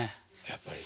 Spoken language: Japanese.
やっぱり。